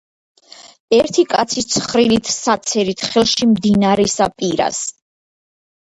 ერთი კაცი ცხრილით საცერით ხელში მდინარისა პირას